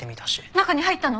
中に入ったの？